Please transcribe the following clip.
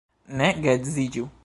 Ne geedziĝu.